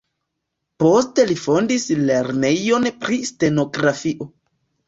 Poste li fondis lernejon pri stenografio.